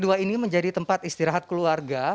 dua ini menjadi tempat istirahat keluarga